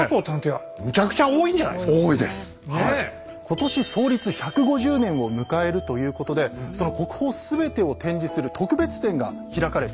今年創立１５０年を迎えるということでその国宝すべてを展示する特別展が開かれているんですね。